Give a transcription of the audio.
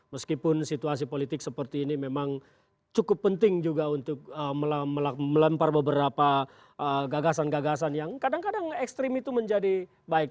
meskipun situasi politik seperti ini memang cukup penting juga untuk melempar beberapa gagasan gagasan yang kadang kadang ekstrim itu menjadi baik